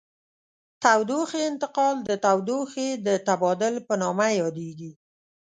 تودوخې انتقال د تودوخې د تبادل په نامه یادیږي.